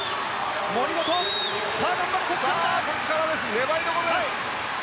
粘りどころです！